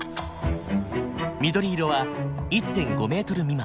緑色は１．５ｍ未満。